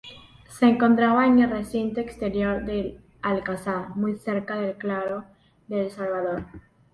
Se encontraba en el recinto exterior del alcázar, muy cerca del claro del Salvador.